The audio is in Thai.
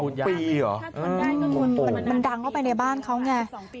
มันดังเข้าไปในบ้านเขาไง